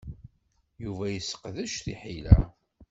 Yuba yesseqdec tiḥila.